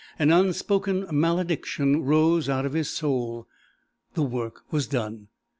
An unspoken malediction rose out of his soul. The work was done!